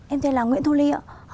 em tên là nguyễn thu ly